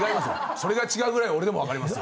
それが違うぐらい俺でもわかりますよ。